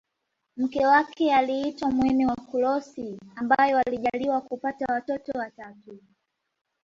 Mke wake aliitwa Mwene Wakulosi ambaye walijaliwa kupata watoto watatu